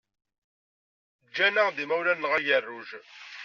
Ǧǧan-aɣ-d yimawlan-nneɣ agerruj.